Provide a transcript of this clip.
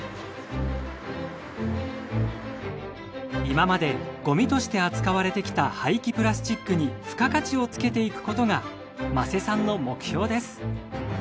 今までごみとして扱われてきた廃棄プラスチックに付加価値をつけていくことが間瀬さんの目標です。